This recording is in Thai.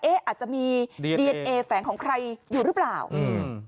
เอ๊ะอาจจะมีดีเอเตอร์แฝงของใครอยู่หรือเปล่าอืม